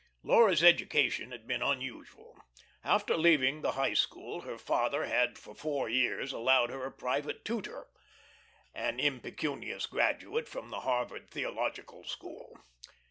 Laura's education had been unusual. After leaving the High School her father had for four years allowed her a private tutor (an impecunious graduate from the Harvard Theological School).